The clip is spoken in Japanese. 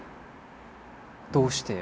どうして？